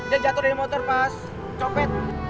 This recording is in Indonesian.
dia jatuh dari motor pas copet